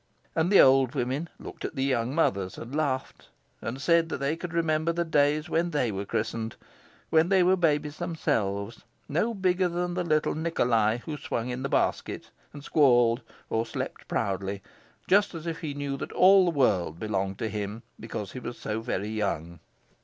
And the old women looked at the young mothers and laughed, and said that they could remember the days when they were christened when they were babies themselves, no bigger than the little Nikolai who swung in the basket and squalled, or slept proudly, just as if he knew that all the world belonged to him because he was so very young.